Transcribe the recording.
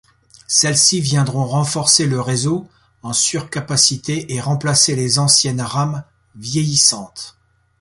Celles-ci viendront renforcer le réseau, en surcapacité, et remplacer les anciennes rames, vieillissantes.